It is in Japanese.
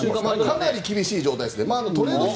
かなり厳しい状態です。